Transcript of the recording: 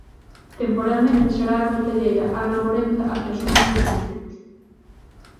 Temporalmente será a concelleira Ana Morenza a que asuma as súas funcións.